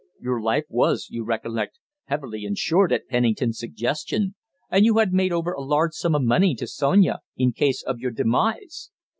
Your life was, you recollect, heavily insured at Pennington's suggestion, and you had made over a large sum of money to Sonia in case of your demise.